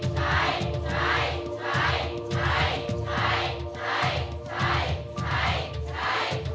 ใช้